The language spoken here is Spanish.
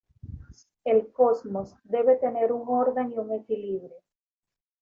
El cosmos debe tener un orden y un equilibrio.